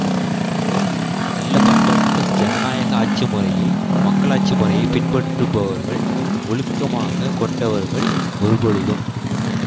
நல்ல பண்பட்ட ஜனநாயக ஆட்சிமுறையை மக்களாட்சி முறையைப் பின்பற்றுபவர்கள், ஒழுக்கமாகக் கொண்டவர்கள் ஒருபொழுதும் வன்முறையாளர்களாக இருக்க மாட்டார்கள்!